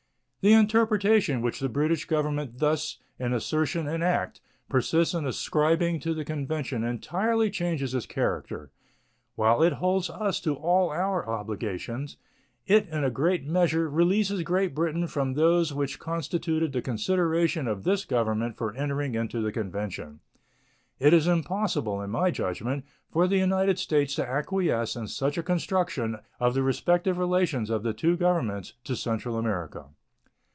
The interpretation which the British Government thus, in assertion and act, persists in ascribing to the convention entirely changes its character. While it holds us to all our obligations, it in a great measure releases Great Britain from those which constituted the consideration of this Government for entering into the convention. It is impossible, in my judgment, for the United States to acquiesce in such a construction of the respective relations of the two Governments to Central America.